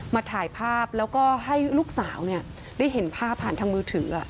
มาถ่ายภาพแล้วก็ให้ลูกสาวได้เห็นภาพผ่านทางมือถือ